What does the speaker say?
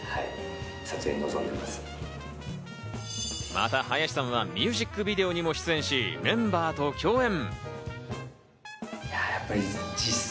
また林さんはミュージックビデオにも出演し、メンバーと共演。